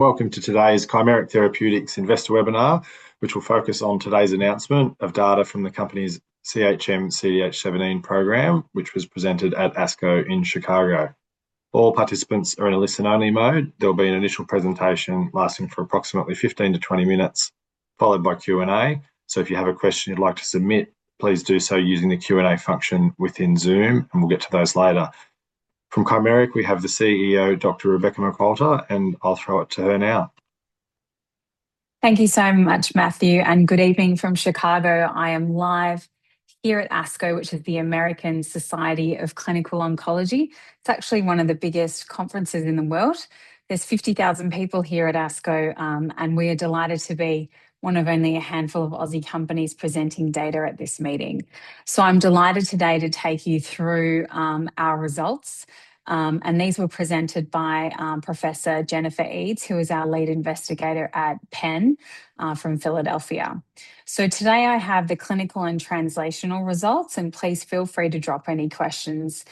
Welcome to today's Chimeric Therapeutics investor webinar, which will focus on today's announcement of data from the company's CHM CDH17 program, which was presented at ASCO in Chicago. All participants are in a listen-only mode. There'll be an initial presentation lasting for approximately 15 to 20 minutes, followed by Q&A. If you have a question you'd like to submit, please do so using the Q&A function within Zoom, and we'll get to those later. From Chimeric, we have the CEO, Dr Rebecca McQualter, and I'll throw it to her now. Thank you so much, Matthew, and good evening from Chicago. I am live here at ASCO, which is the American Society of Clinical Oncology. It's actually one of the biggest conferences in the world. There's 50,000 people here at ASCO, and we are delighted to be one of only a handful of Aussie companies presenting data at this meeting. I'm delighted today to take you through our results, and these were presented by Professor Jennifer Eads, who is our lead investigator at Penn, from Philadelphia. Today I have the clinical and translational results, and please feel free to drop any questions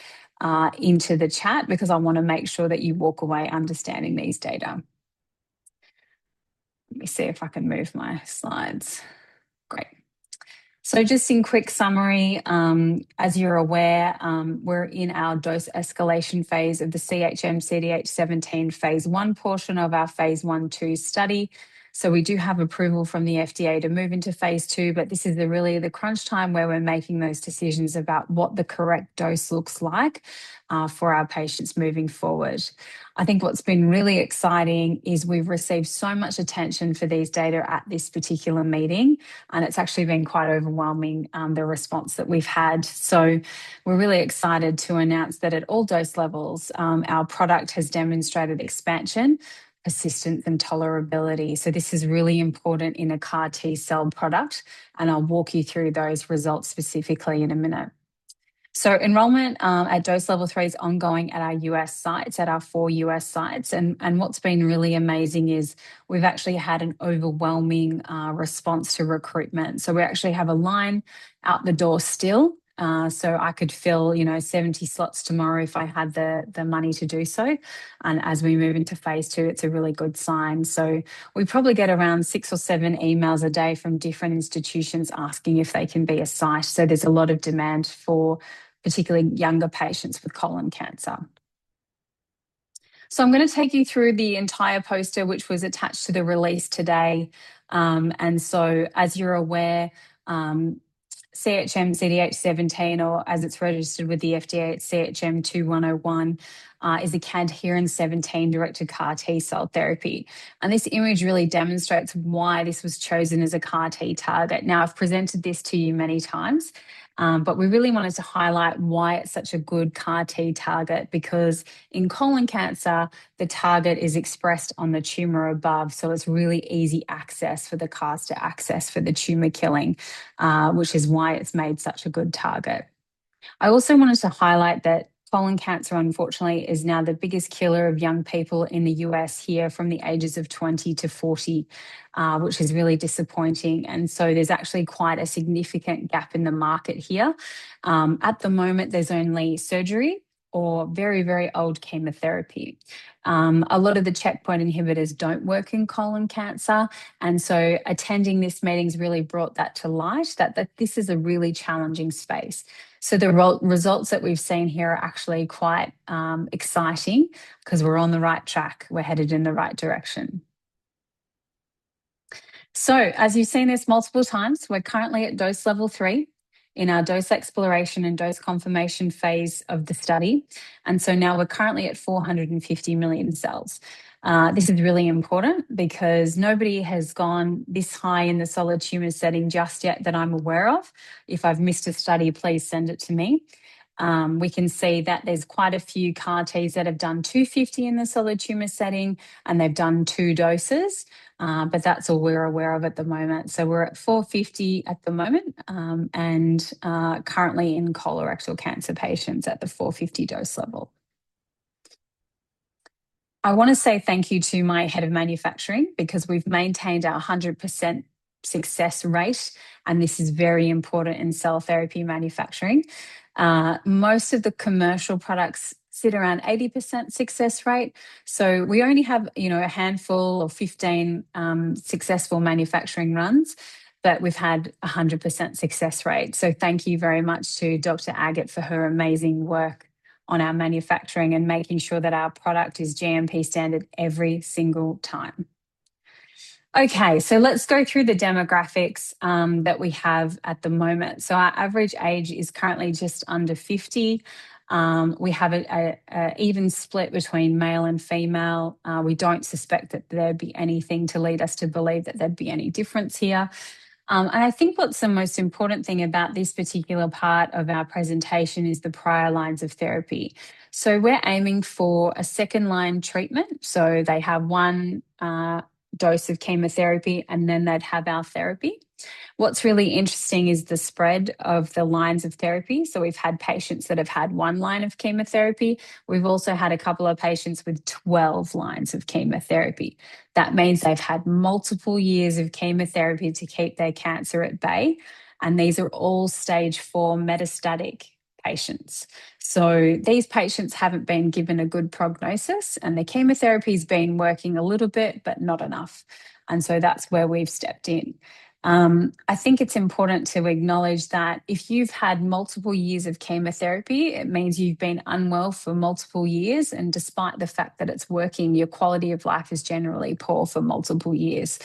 into the chat, because I want to make sure that you walk away understanding these data. Let me see if I can move my slides. Great. Just in quick summary, as you're aware, we're in our dose escalation phase of the CHM CDH17 phase I portion of our phase I/II study. We do have approval from the FDA to move into phase II, but this is really the crunch time where we're making those decisions about what the correct dose looks like for our patients moving forward. I think what's been really exciting is we've received so much attention for these data at this particular meeting, and it's actually been quite overwhelming, the response that we've had. We're really excited to announce that at all dose levels, our product has demonstrated expansion, persistence, and tolerability. This is really important in a CAR T-cell product, and I'll walk you through those results specifically in a minute. Enrollment at Dose Level 3 is ongoing at our four U.S. sites. What's been really amazing is we've actually had an overwhelming response to recruitment. We actually have a line out the door still. I could fill 70 slots tomorrow if I had the money to do so. As we move into phase II, it's a really good sign. We probably get around six or seven emails a day from different institutions asking if they can be a site. There's a lot of demand for particularly younger patients with colon cancer. I'm going to take you through the entire poster, which was attached to the release today. As you're aware, CHM CDH17, or as it's registered with the FDA, it's CHM 2101, is a Cadherin 17-directed CAR T-cell therapy. This image really demonstrates why this was chosen as a CAR T target. Now, I've presented this to you many times. We really wanted to highlight why it's such a good CAR T target, because in colon cancer, the target is expressed on the tumor above. It's really easy access for the CAR T to access for the tumor killing, which is why it's made such a good target. I also wanted to highlight that colon cancer, unfortunately, is now the biggest killer of young people in the U.S. here from the ages of 20 to 40, which is really disappointing. There's actually quite a significant gap in the market here. At the moment, there's only surgery or very old chemotherapy. A lot of the checkpoint inhibitors don't work in colon cancer, attending this meeting's really brought that to light, that this is a really challenging space. The results that we've seen here are actually quite exciting because we're on the right track. We're headed in the right direction. As you've seen this multiple times, we're currently at Dose Level 3 in our dose exploration and dose confirmation phase of the study, and so now we're currently at 450 million cells. This is really important because nobody has gone this high in the solid tumor setting just yet that I'm aware of. If I've missed a study, please send it to me. We can see that there's quite a few CAR Ts that have done 250 million in the solid tumor setting, and they've done two doses. That's all we're aware of at the moment. We're at 450 million at the moment, and currently in colorectal cancer patients at the 450 million dose level. I want to say thank you to my Head of Manufacturing because we've maintained our 100% success rate, and this is very important in cell therapy manufacturing. Most of the commercial products sit around 80% success rate. We only have a handful or 15 successful manufacturing runs, but we've had 100% success rate. Thank you very much to Dr Agathe for her amazing work on our manufacturing and making sure that our product is GMP standard every single time. Let's go through the demographics that we have at the moment. Our average age is currently just under 50. We have an even split between male and female. We don't suspect that there'd be anything to lead us to believe that there'd be any difference here. I think what's the most important thing about this particular part of our presentation is the prior lines of therapy. We're aiming for a second-line treatment. They have one dose of chemotherapy, and then they'd have our therapy. What's really interesting is the spread of the lines of therapy. We've had patients that have had one line of chemotherapy. We've also had a couple of patients with 12 lines of chemotherapy. That means they've had multiple years of chemotherapy to keep their cancer at bay, and these are all Stage 4 metastatic patients. These patients haven't been given a good prognosis, and the chemotherapy's been working a little bit, but not enough. That's where we've stepped in. I think it's important to acknowledge that if you've had multiple years of chemotherapy, it means you've been unwell for multiple years, and despite the fact that it's working, your quality of life is generally poor for multiple years.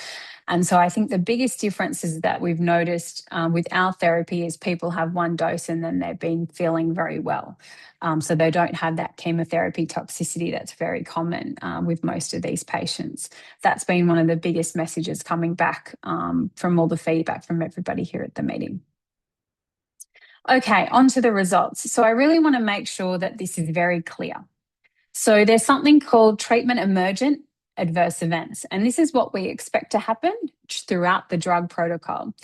I think the biggest differences that we've noticed with our therapy is people have one dose and then they've been feeling very well. They don't have that chemotherapy toxicity that's very common with most of these patients. That's been one of the biggest messages coming back from all the feedback from everybody here at the meeting. Onto the results. I really want to make sure that this is very clear. There's something called treatment emergent adverse events, and this is what we expect to happen throughout the drug protocol.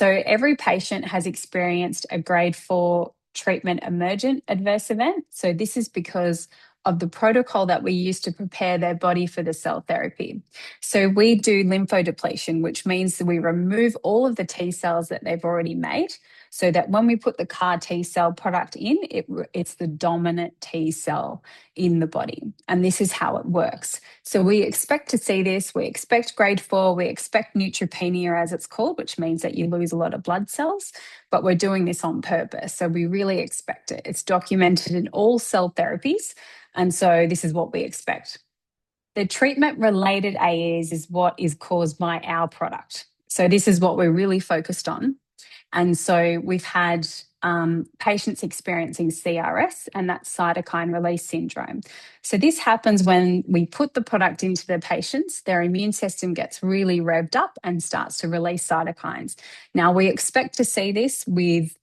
Every patient has experienced a Grade 4 treatment emergent adverse event. This is because of the protocol that we use to prepare their body for the cell therapy. We do lymphodepletion, which means that we remove all of the T-cells that they've already made, so that when we put the CAR T-cell product in, it's the dominant T-cell in the body. This is how it works. We expect to see this, we expect Grade 4, we expect neutropenia, as it's called, which means that you lose a lot of blood cells. We're doing this on purpose, so we really expect it. It's documented in all cell therapies, this is what we expect. The treatment-related AEs is what is caused by our product. This is what we're really focused on. We've had patients experiencing CRS, and that's cytokine release syndrome. This happens when we put the product into the patients, their immune system gets really revved up and starts to release cytokines. Now, we expect to see this with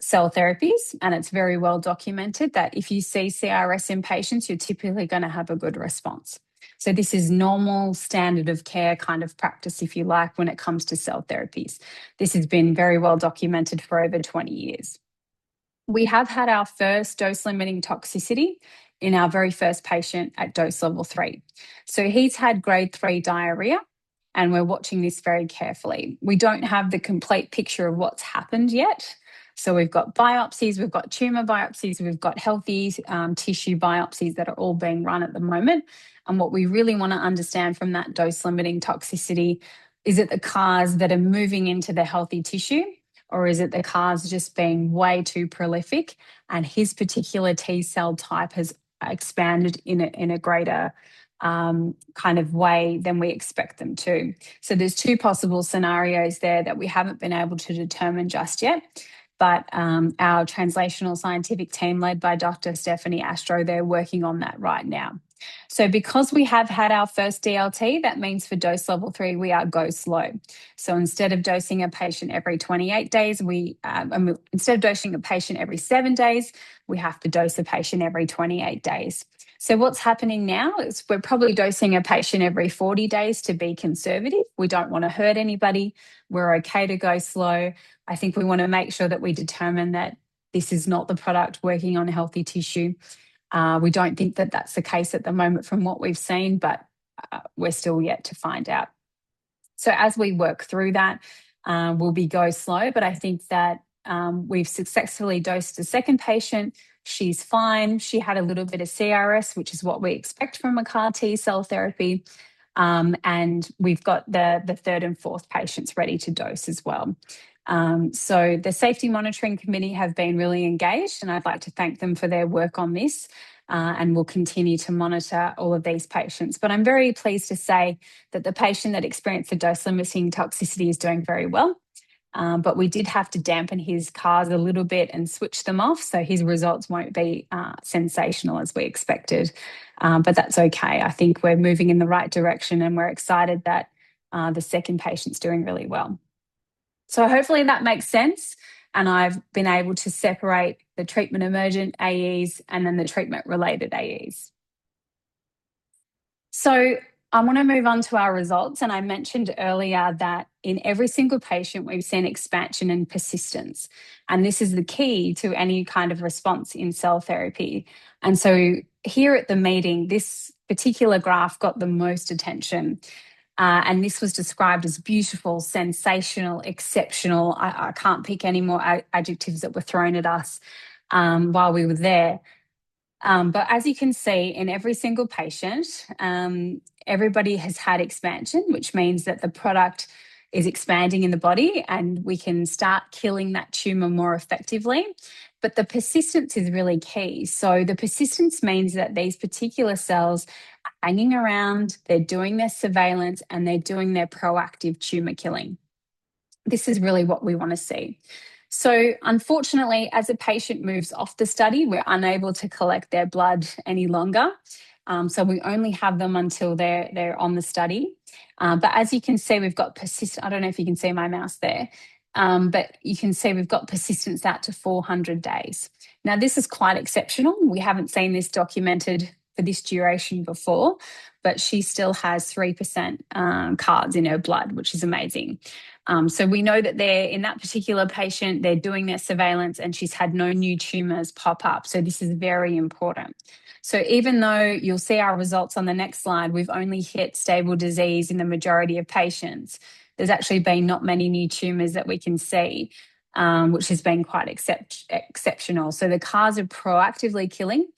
cell therapies, and it's very well documented that if you see CRS in patients, you're typically going to have a good response. This is normal standard of care kind of practice, if you like, when it comes to cell therapies. This has been very well documented for over 20 years. We have had our first dose limiting toxicity in our very first patient at Dose Level 3. He's had Grade 3 diarrhea, and we're watching this very carefully. We don't have the complete picture of what's happened yet. We've got biopsies, we've got tumor biopsies, we've got healthy tissue biopsies that are all being run at the moment. What we really want to understand from that dose limiting toxicity is it the CARs that are moving into the healthy tissue, or is it the CARs just being way too prolific and his particular T-cell type has expanded in a greater kind of way than we expect them to? There's two possible scenarios there that we haven't been able to determine just yet. Our translational scientific team, led by Dr. Stephanie Astrow, they're working on that right now. Because we have had our first DLT, that means for Dose Level 3, we are go slow. Instead of dosing a patient every seven days, we have to dose the patient every 28 days. What's happening now is we're probably dosing a patient every 40 days to be conservative. We don't want to hurt anybody. We're okay to go slow. I think we want to make sure that we determine that this is not the product working on healthy tissue. We don't think that that's the case at the moment from what we've seen, but we're still yet to find out. As we work through that, we'll be go slow. I think that we've successfully dosed a second patient. She's fine. She had a little bit of CRS, which is what we expect from a CAR T-cell therapy. We've got the third and fourth patients ready to dose as well. The safety monitoring committee have been really engaged, and I'd like to thank them for their work on this, and we'll continue to monitor all of these patients. I'm very pleased to say that the patient that experienced the dose limiting toxicity is doing very well. We did have to dampen his CARs a little bit and switch them off, so his results won't be sensational as we expected. That's okay. I think we're moving in the right direction, and we're excited that the second patient's doing really well. Hopefully that makes sense, and I've been able to separate the treatment emergent AEs and then the treatment-related AEs. I want to move on to our results, and I mentioned earlier that in every single patient, we've seen expansion and persistence, and this is the key to any kind of response in cell therapy. Here at the meeting, this particular graph got the most attention. This was described as beautiful, sensational, exceptional. I can't pick any more adjectives that were thrown at us while we were there. As you can see, in every single patient, everybody has had expansion, which means that the product is expanding in the body, and we can start killing that tumor more effectively. The persistence is really key. The persistence means that these particular cells are hanging around, they're doing their surveillance, and they're doing their proactive tumor killing. This is really what we want to see. Unfortunately, as a patient moves off the study, we're unable to collect their blood any longer. We only have them until they're on the study. I don't know if you can see my mouse there. You can see we've got persistence out to 400 days. This is quite exceptional. We haven't seen this documented for this duration before, but she still has 3% CARs in her blood, which is amazing. We know that in that particular patient, they're doing their surveillance, and she's had no new tumors pop up. This is very important. Even though you'll see our results on the next slide, we've only hit stable disease in the majority of patients. There's actually been not many new tumors that we can see, which has been quite exceptional. The CARs are proactively killing.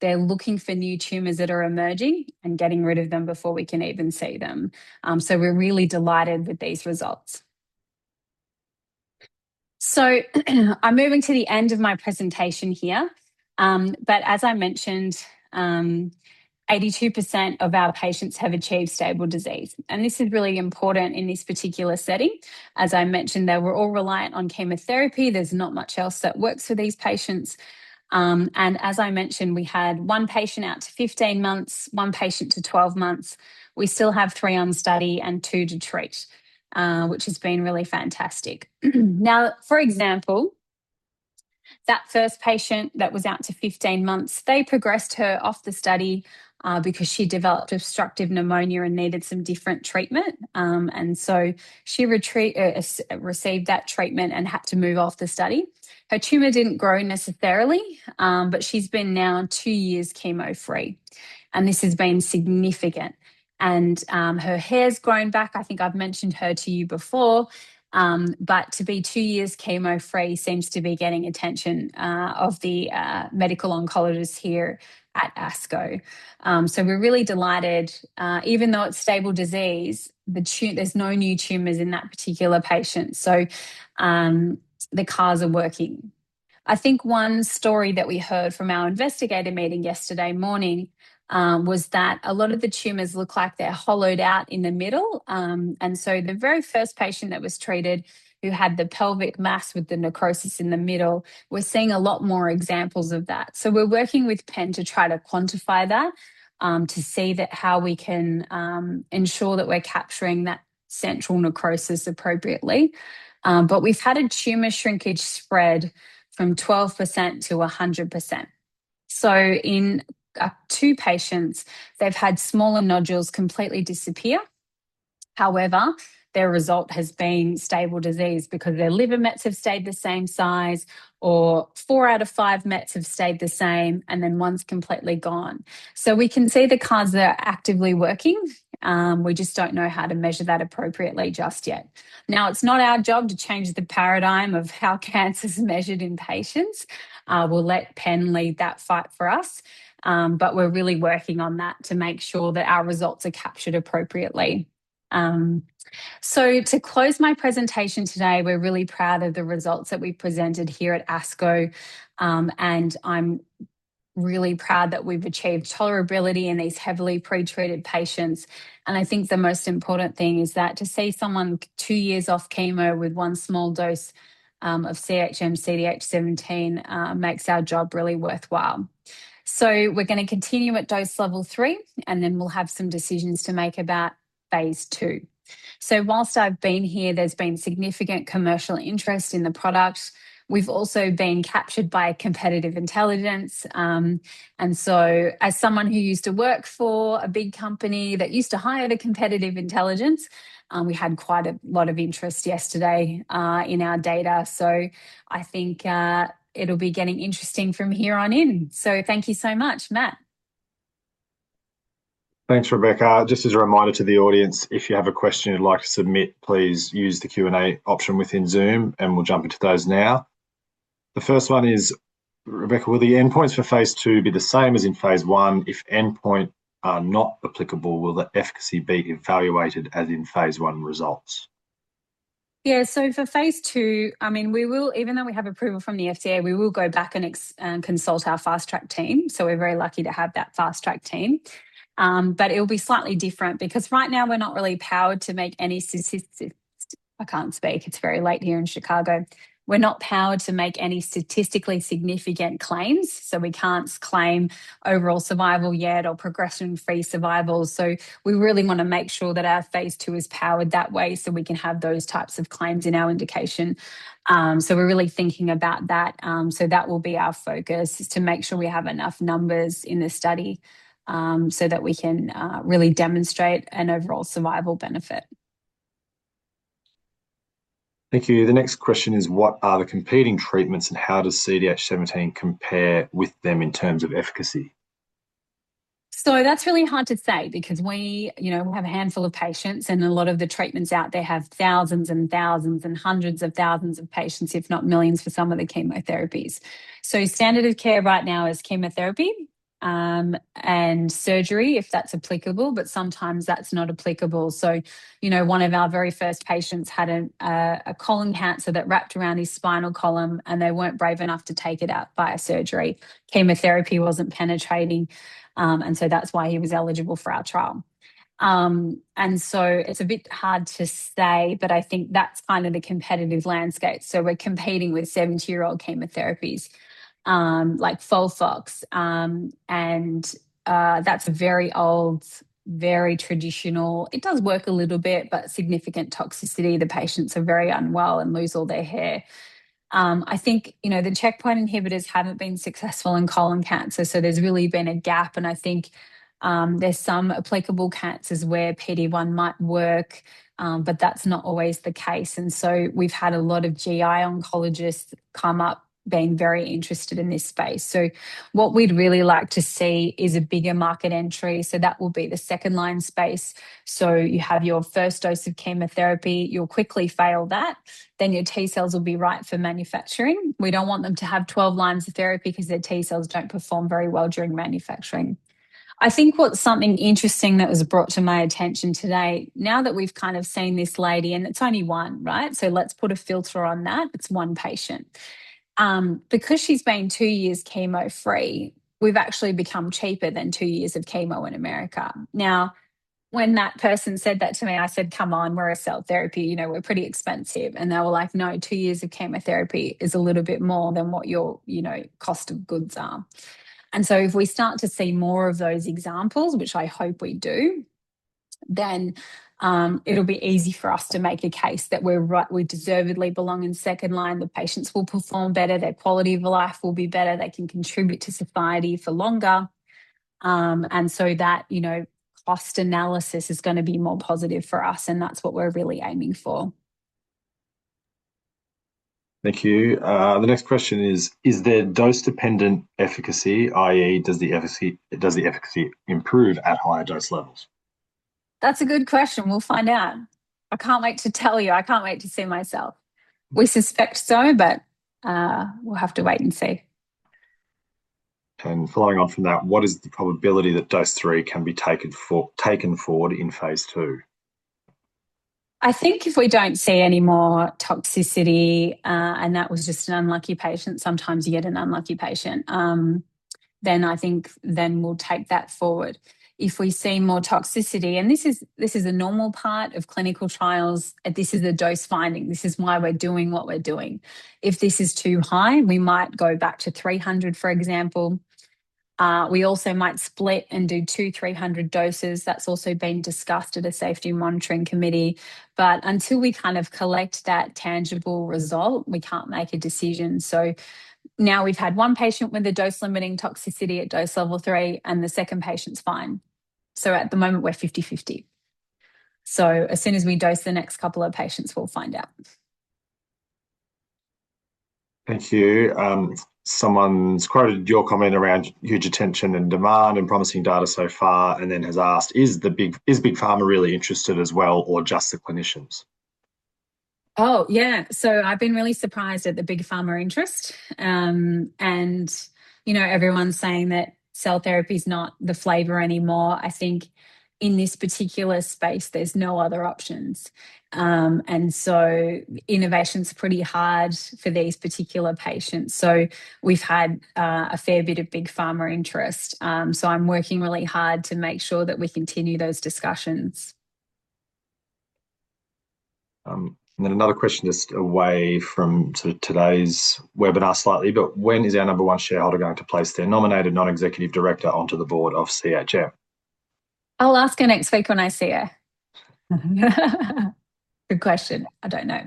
They're looking for new tumors that are emerging and getting rid of them before we can even see them. We're really delighted with these results. I'm moving to the end of my presentation here. As I mentioned, 82% of our patients have achieved stable disease. This is really important in this particular setting. As I mentioned, they were all reliant on chemotherapy. There's not much else that works for these patients. As I mentioned, we had one patient out to 15 months, one patient to 12 months. We still have three on study and two to treat, which has been really fantastic. For example, that first patient that was out to 15 months, they progressed her off the study because she developed obstructive pneumonia and needed some different treatment. She received that treatment and had to move off the study. Her tumor didn't grow necessarily, but she's been now two years chemo-free, and this has been significant. Her hair's grown back. I think I've mentioned her to you before. To be two years chemo-free seems to be getting attention of the medical oncologists here at ASCO. We're really delighted. Even though it's stable disease, there's no new tumors in that particular patient, so the CARs are working. I think one story that we heard from our investigator meeting yesterday morning, was that a lot of the tumors look like they're hollowed out in the middle. The very first patient that was treated, who had the pelvic mass with the necrosis in the middle, we're seeing a lot more examples of that. We're working with Penn to try to quantify that, to see how we can ensure that we're capturing that central necrosis appropriately. We've had a tumor shrinkage spread from 12% to 100%. In two patients, they've had smaller nodules completely disappear. However, their result has been stable disease because their liver mets have stayed the same size, or four out of five mets have stayed the same, and then one's completely gone. We can see the CARs are actively working. We just don't know how to measure that appropriately just yet. Now, it's not our job to change the paradigm of how cancer is measured in patients. We'll let Penn lead that fight for us. We're really working on that to make sure that our results are captured appropriately. To close my presentation today, we're really proud of the results that we've presented here at ASCO. I'm really proud that we've achieved tolerability in these heavily pre-treated patients. I think the most important thing is that to see someone two years off chemo with one small dose of CHM CDH17, makes our job really worthwhile. We're going to continue at Dose Level 3, and then we'll have some decisions to make about phase II. Whilst I've been here, there's been significant commercial interest in the product. We've also been captured by competitive intelligence. As someone who used to work for a big company that used to hire the competitive intelligence, we had quite a lot of interest yesterday in our data. I think it'll be getting interesting from here on in. Thank you so much. Matt. Thanks, Rebecca. Just as a reminder to the audience, if you have a question you'd like to submit, please use the Q&A option within Zoom. We'll jump into those now. The first one is, Rebecca, will the endpoints for phase II be the same as in phase I? If endpoint are not applicable, will the efficacy be evaluated as in phase I results? For phase II, even though we have approval from the FDA, we will go back and consult our Fast Track team. We're very lucky to have that Fast Track team. It'll be slightly different because right now we're not really powered to make any statistically significant claims. It's very late here in Chicago. We can't claim overall survival yet or progression-free survival. We really want to make sure that our phase II is powered that way. We can have those types of claims in our indication. We're really thinking about that. That will be our focus, is to make sure we have enough numbers in the study, that we can really demonstrate an overall survival benefit. Thank you. The next question is what are the competing treatments, and how does CDH17 compare with them in terms of efficacy? That's really hard to say because we have a handful of patients, and a lot of the treatments out there have thousands and thousands and hundreds of thousands of patients, if not millions for some of the chemotherapies. Standard of care right now is chemotherapy, and surgery if that's applicable, but sometimes that's not applicable. One of our very first patients had a colon cancer that wrapped around his spinal column, and they weren't brave enough to take it out via surgery. Chemotherapy wasn't penetrating, that's why he was eligible for our trial. It's a bit hard to say, but I think that's kind of the competitive landscape. We're competing with 70-year-old chemotherapies, like FOLFOX, and that's very old, very traditional. It does work a little bit, significant toxicity. The patients are very unwell and lose all their hair. I think the checkpoint inhibitors haven't been successful in colon cancer, so there's really been a gap, and I think there's some applicable cancers where PD-1 might work, but that's not always the case. We've had a lot of GI oncologists come up being very interested in this space. What we'd really like to see is a bigger market entry. That will be the second-line space. You have your first dose of chemotherapy, you'll quickly fail that, then your T-cells will be right for manufacturing. We don't want them to have 12 lines of therapy because their T-cells don't perform very well during manufacturing. I think what's something interesting that was brought to my attention today, now that we've kind of seen this lady, and it's only one, right? Let's put a filter on that. It's one patient. Because she's been two years chemo-free, we've actually become cheaper than two years of chemo in the U.S. When that person said that to me, I said, come on, we're a cell therapy. We're pretty expensive. They were like, no, two years of chemotherapy is a little bit more than what your cost of goods are. If we start to see more of those examples, which I hope we do, then it'll be easy for us to make a case that we deservedly belong in second line. The patients will perform better, their quality of life will be better, they can contribute to society for longer. That cost analysis is going to be more positive for us, and that's what we're really aiming for. Thank you. The next question is there dose-dependent efficacy, i.e., does the efficacy improve at higher dose levels? That's a good question. We'll find out. I can't wait to tell you. I can't wait to see myself. We suspect so, but we'll have to wait and see. Following on from that, what is the probability that Dose 3 can be taken forward in phase II? I think if we don't see any more toxicity, that was just an unlucky patient, sometimes you get an unlucky patient, then I think then we'll take that forward. If we see more toxicity, this is a normal part of clinical trials. This is the dose finding. This is why we're doing what we're doing. If this is too high, we might go back to 300 million, for example. We also might split and do two 300 million doses. That's also been discussed at a safety monitoring committee. Until we kind of collect that tangible result, we can't make a decision. Now we've had one patient with a dose-limiting toxicity at Dose Level 3, and the second patient's fine. At the moment we're 50/50. As soon as we dose the next couple of patients, we'll find out. Thank you. Someone's quoted your comment around huge attention and demand and promising data so far, has asked, is big pharma really interested as well, or just the clinicians? Oh, yeah. I've been really surprised at the big pharma interest. Everyone's saying that cell therapy's not the flavor anymore. I think in this particular space, there's no other options. Innovation's pretty hard for these particular patients. We've had a fair bit of big pharma interest. I'm working really hard to make sure that we continue those discussions. Another question just away from today's webinar slightly, but when is our number one shareholder going to place their nominated Non-Executive Director onto the Board of CHM? I'll ask her next week when I see her. Good question. I don't know.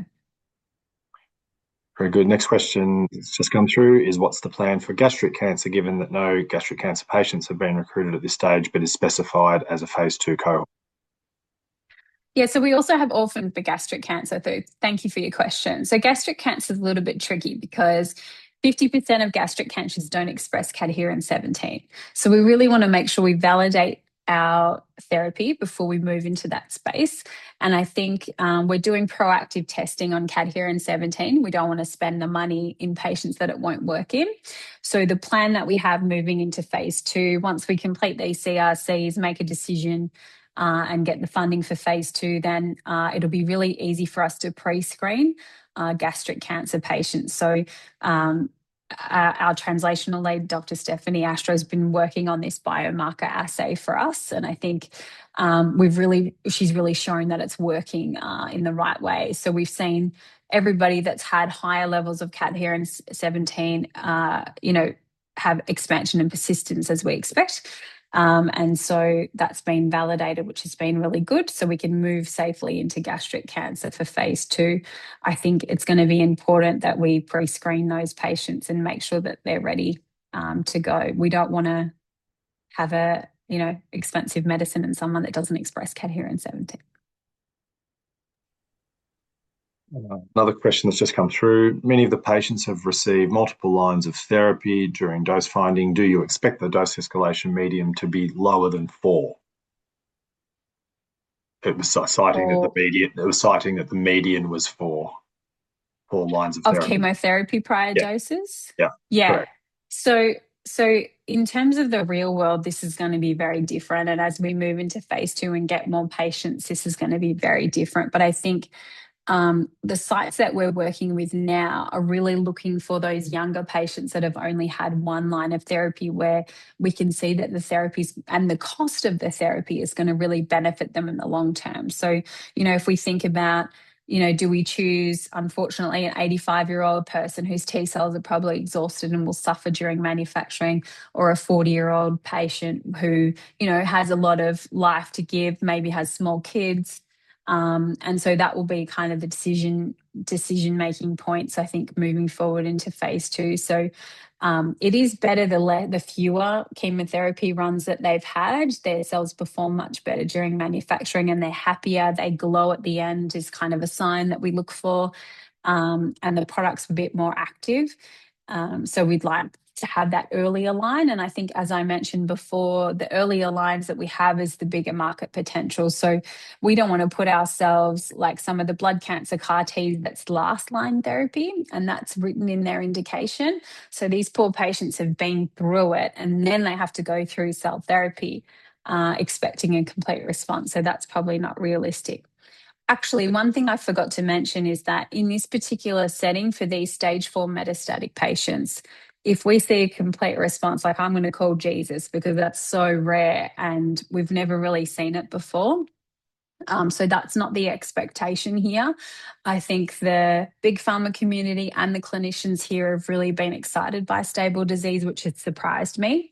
Very good. Next question that's just come through is what's the plan for gastric cancer, given that no gastric cancer patients have been recruited at this stage but is specified as a phase II cohort? Yeah. We also have Orphan for gastric cancer. Thank you for your question. Gastric cancer's a little bit tricky because 50% of gastric cancers don't express Cadherin 17. We really want to make sure we validate our therapy before we move into that space. I think we're doing proactive testing on Cadherin 17. We don't want to spend the money in patients that it won't work in. The plan that we have moving into phase II, once we complete these CRCs, make a decision, and get the funding for phase II, then it'll be really easy for us to pre-screen gastric cancer patients. Our translational lead, Dr. Stephanie Astrow, has been working on this biomarker assay for us, and I think she's really shown that it's working in the right way. We've seen everybody that's had higher levels of Cadherin 17 have expansion and persistence as we expect. That's been validated, which has been really good, so we can move safely into gastric cancer for phase II. I think it's going to be important that we pre-screen those patients and make sure that they're ready to go. We don't want to have an expensive medicine in someone that doesn't express Cadherin 17. Another question that's just come through. Many of the patients have received multiple lines of therapy during dose finding. Do you expect the dose escalation median to be lower than four? It was citing that the median was four total lines of therapy. Of chemotherapy prior doses? Yeah. Yeah. Correct. In terms of the real world, this is going to be very different. As we move into phase II and get more patients, this is going to be very different. I think the sites that we're working with now are really looking for those younger patients that have only had one line of therapy, where we can see that the therapies and the cost of the therapy is going to really benefit them in the long term. If we think about do we choose, unfortunately, an 85-year-old person whose T-cells are probably exhausted and will suffer during manufacturing or a 40-year-old patient who has a lot of life to give, maybe has small kids. That will be kind of the decision-making points, I think, moving forward into phase II. It is better the fewer chemotherapy runs that they've had, their cells perform much better during manufacturing, and they're happier. They glow at the end is kind of a sign that we look for. The product's a bit more active. We'd like to have that earlier line. I think, as I mentioned before, the earlier lines that we have is the bigger market potential. We don't want to put ourselves, like some of the blood cancer CAR T that's last line therapy, and that's written in their indication. These poor patients have been through it, and then they have to go through cell therapy, expecting a complete response. That's probably not realistic. Actually, one thing I forgot to mention is that in this particular setting for these Stage IV metastatic patients, if we see a complete response, like I'm going to call Jesus because that's so rare, and we've never really seen it before. That's not the expectation here. I think the big pharma community and the clinicians here have really been excited by stable disease, which has surprised me.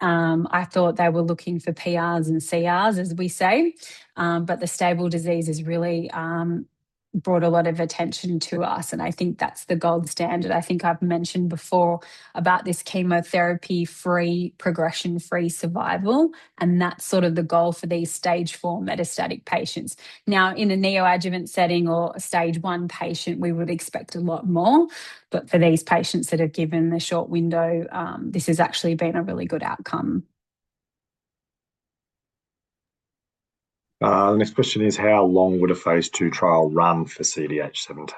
I thought they were looking for PRs and CRs, as we say. The stable disease has really brought a lot of attention to us, and I think that's the gold standard. I think I've mentioned before about this chemotherapy-free, progression-free survival, and that's sort of the goal for these Stage IV metastatic patients. Now, in a neoadjuvant setting or a Stage I patient, we would expect a lot more. For these patients that are given the short window, this has actually been a really good outcome. The next question is, how long would a phase II trial run for CDH17?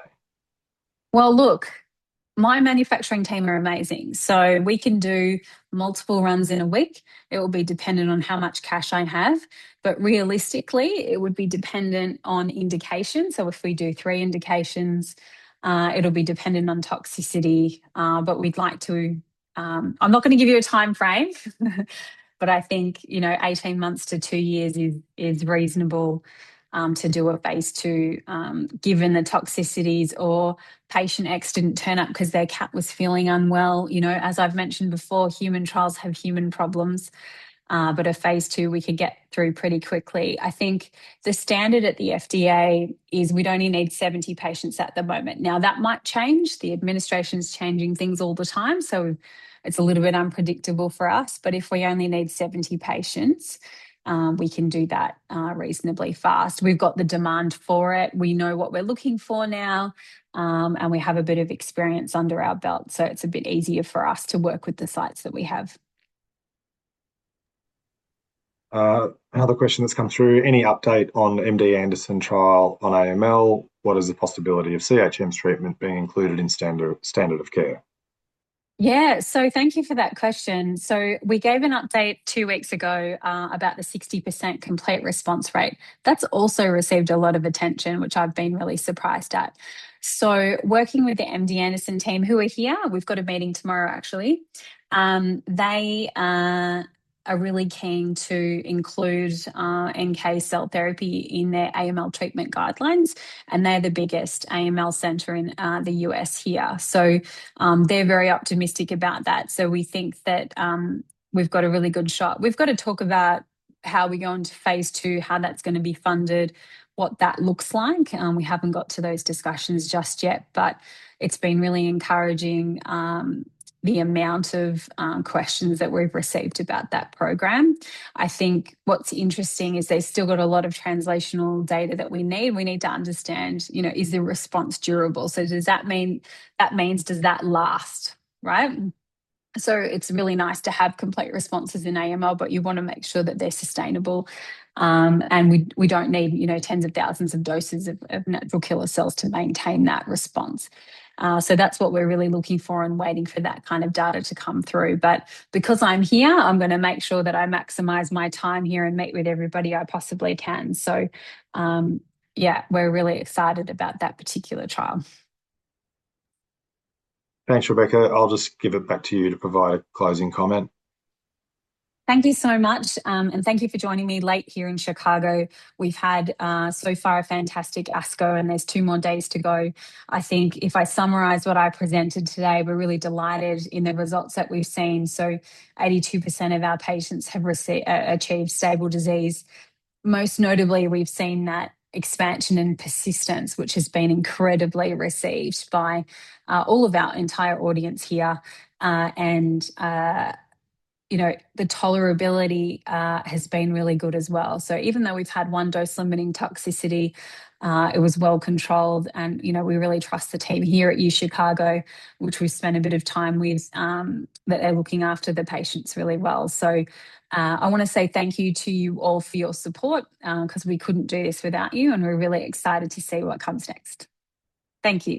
Look, my manufacturing team are amazing. We can do multiple runs in a week. It will be dependent on how much cash I have. Realistically, it would be dependent on indication. If we do three indications, it'll be dependent on toxicity. I'm not going to give you a timeframe, but I think 18 months to two years is reasonable to do a phase II, given the toxicities or patient X didn't turn up because their cat was feeling unwell. As I've mentioned before, human trials have human problems. A phase II, we could get through pretty quickly. I think the standard at the FDA is we'd only need 70 patients at the moment. Now, that might change. The administration's changing things all the time, it's a little bit unpredictable for us. If we only need 70 patients, we can do that reasonably fast. We've got the demand for it. We know what we're looking for now. We have a bit of experience under our belt, so it's a bit easier for us to work with the sites that we have. Another question that's come through. Any update on MD Anderson trial on AML? What is the possibility of CHM's treatment being included in standard of care? Yeah. Thank you for that question. We gave an update two weeks ago about the 60% complete response rate. That's also received a lot of attention, which I've been really surprised at. Working with the MD Anderson team, who are here, we've got a meeting tomorrow, actually. They are really keen to include NK cell therapy in their AML treatment guidelines, and they're the biggest AML center in the U.S. here. They're very optimistic about that, so we think that we've got a really good shot. We've got to talk about how we go into phase II, how that's going to be funded, what that looks like. We haven't got to those discussions just yet, but it's been really encouraging the amount of questions that we've received about that program. I think what's interesting is they've still got a lot of translational data that we need. We need to understand, is the response durable? That means does that last, right? It's really nice to have complete responses in AML, but you want to make sure that they're sustainable. We don't need tens of thousands of doses of natural killer cells to maintain that response. That's what we're really looking for and waiting for that kind of data to come through. Because I'm here, I'm going to make sure that I maximize my time here and meet with everybody I possibly can. Yeah, we're really excited about that particular trial. Thanks, Rebecca. I'll just give it back to you to provide a closing comment. Thank you so much. Thank you for joining me late here in Chicago. We've had, so far, a fantastic ASCO, and there's two more days to go. I think if I summarize what I presented today, we're really delighted in the results that we've seen. 82% of our patients have achieved stable disease. Most notably, we've seen that expansion and persistence, which has been incredibly received by all of our entire audience here. The tolerability has been really good as well. Even though we've had one dose-limiting toxicity, it was well-controlled, and we really trust the team here at UChicago, which we've spent a bit of time with, that they're looking after the patients really well. I want to say thank you to you all for your support, because we couldn't do this without you, and we're really excited to see what comes next. Thank you.